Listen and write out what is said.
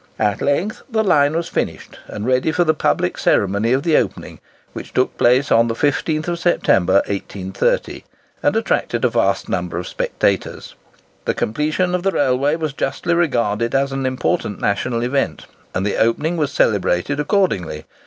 At length the line was finished, and ready for the public ceremony of the opening, which took place on the 15th September, 1830, and attracted a vast number of spectators. The completion of the railway was justly regarded as an important national event, and the opening was celebrated accordingly.